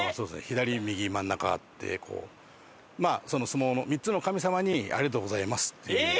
左右真ん中でこう相撲の３つの神様に「ありがとうございます」っていう。